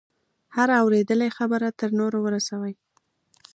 هره اورېدلې خبره تر نورو ورسوي.